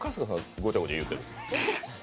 ごちゃごちゃ言ってるんですか。